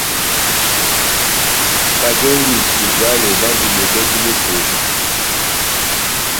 Bajongi cigalo bandi mebèdi mekolo.